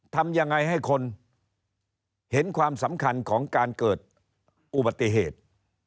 ทำยังไงให้คนเห็นความสำคัญของการเกิดอุบัติเหตุ